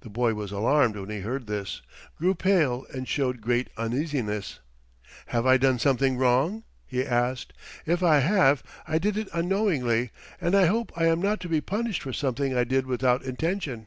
The boy was alarmed when he heard this, grew pale, and showed great uneasiness. "Have I done something wrong?" he asked. "If I have I did it unknowingly, and I hope I am not to be punished for something I did without intention."